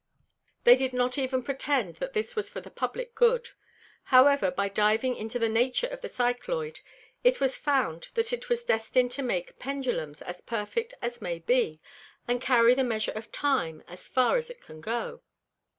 They did not even pretend that this was for the Publick Good; however by diving into the Nature of the Cycloide it was found, that it was destin'd to make Pendulums as perfect as may be, and carry the Measure of Time as far as it can go.